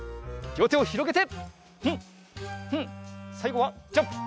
りょうてをひろげて。